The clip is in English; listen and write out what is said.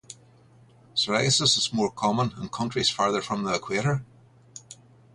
Psoriasis is more common in countries farther from the equator.